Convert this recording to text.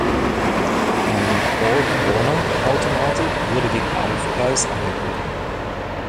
Eine "Borg-Warner"-Automatik wurde gegen Aufpreis angeboten.